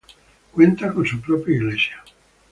Cuenta con su propia Iglesia.